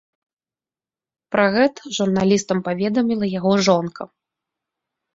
Пра гэта журналістам паведаміла яго жонка.